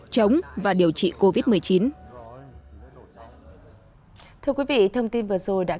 chống và điều trị covid một mươi chín